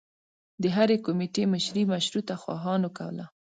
د هرې کومیټي مشري مشروطه خواهانو کوله.